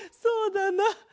そうだな。